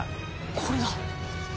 これだ